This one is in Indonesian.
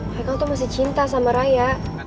mereka tuh masih cinta sama raya